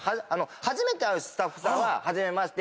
初めて会うスタッフさんは初めまして。